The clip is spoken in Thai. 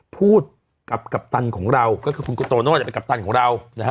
พูดกับกัปตันของเราก็คือคุณโตโน่เป็นกัปตันของเรานะฮะ